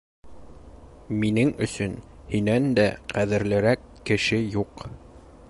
Минең өсөн һинән дә ҡәҙерлерәк кеше юҡ.